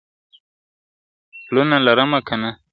پلونه لرمه کنه؟ !.